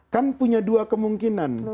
kan punya dua kemungkinan